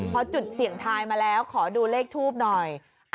พอจุดเสี่ยงทายมาแล้วขอดูเลขทูบหน่อย